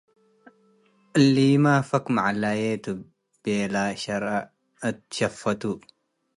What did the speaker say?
“እሊመ ፈክ መዐልቼ ቱ” ቤለ ሸረእ እት ሸፈቱ።